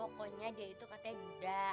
pokoknya dia itu katanya buddha